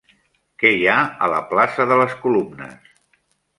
Què hi ha a la plaça de les Columnes?